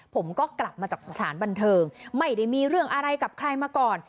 ผมก็กลับมาจากสถานบันเทิงไม่ได้มีเรื่องอะไรกับใครมาก่อน